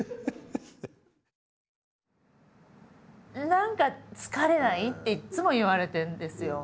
何か疲れない？っていっつも言われてるんですよ。